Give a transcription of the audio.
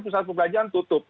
pusat perbelanjaan tutup